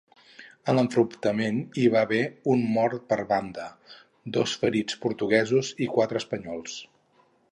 En l'enfrontament hi va haver un mort per banda, dos ferits portuguesos i quatre d'espanyols.